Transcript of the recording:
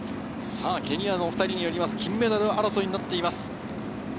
ケニアの２人による金メダル争いとなっています。